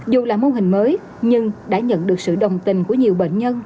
dù là mô hình mới nhưng đã nhận được sự đồng tình của nhiều bệnh nhân